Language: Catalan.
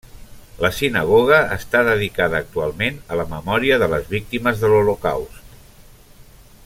La sinagoga està dedicada actualment a la memòria de les víctimes de l'Holocaust.